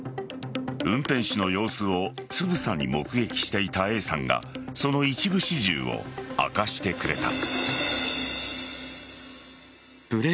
運転手の様子をつぶさに目撃していたＡさんがその一部始終を明かしてくれた。